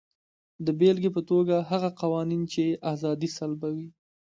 د بېلګې په توګه هغه قوانین چې ازادي سلبوي.